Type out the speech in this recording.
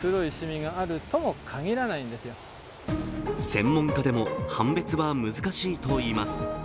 専門家でも判別は難しいといいます。